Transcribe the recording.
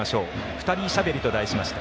「ふたりしゃべり」と題しました。